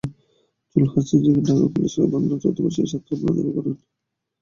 জুলহাস নিজেকে ঢাকা কলেজের বাংলা চতুর্থ বর্ষের ছাত্র বলে দাবি করেন।